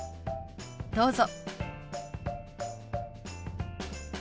どうぞ。